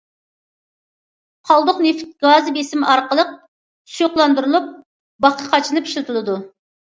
قالدۇق نېفىت گازى بېسىم ئارقىلىق سۇيۇقلاندۇرۇلۇپ، باكقا قاچىلىنىپ ئىشلىتىلىدۇ.